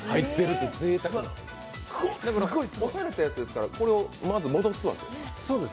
干されたやつですからこれをまず戻すわけですか？